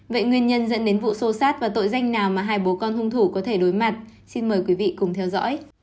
vậy nguyên nhân dẫn đến vụ sô sát và tội danh nào mà hai bố con hung thủ có thể đối mặt xin mời quý vị cùng theo dõi